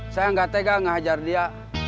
saya nggak tega ngajar dia